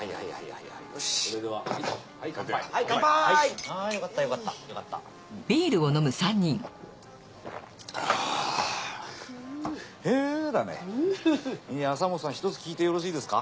いや朝本さんひとつ聞いてよろしいですか？